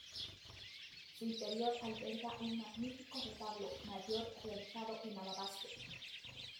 Su interior alberga un magnífico retablo mayor realizado en alabastro.